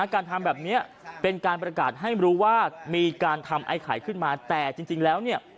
การทำแบบนี้เป็นการประกาศให้รู้ว่ามีการทำไอ้ไข่ขึ้นมาแต่จริงแล้วเนี่ย